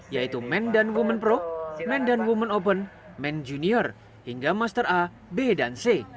yaitu men dan women pro men dan women open men junior hingga master a b dan c